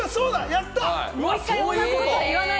やった！